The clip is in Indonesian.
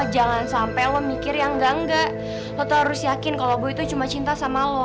jangan sampai lo mikir yang enggak enggak lo tuh harus yakin kalau gue itu cuma cinta sama lo